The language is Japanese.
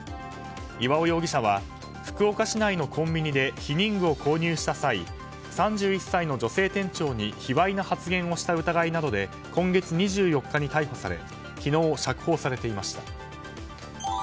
岩尾容疑者は福岡市内のコンビニで避妊具を購入した際３１歳の女性店長に卑猥な発言をした疑いなどで今月２４日に逮捕され昨日、釈放されていました。